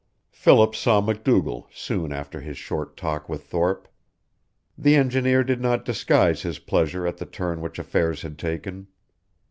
Philip saw MacDougall soon after his short talk with Thorpe. The engineer did not disguise his pleasure at the turn which affairs had taken.